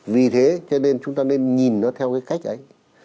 vì thế cho nên chúng ta nên nhìn nó theo cái cách ấy